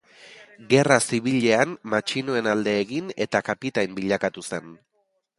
Gerra Zibilean matxinoen alde egin eta kapitain bilakatu zen.